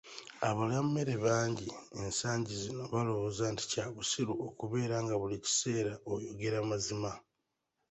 Abalyammere bangi ensangi zino balowooza nti kya bussiru okubeera nga buli kiseera oyogera mazima.